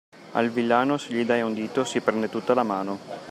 Al villano se gli dai un dito si prende tutta la mano.